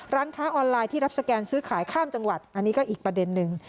ร้านค้าออนไลน์ที่รับสแกนซื้อขายข้ามจังหวัดอันนี้ก็อีกประเด็นนึง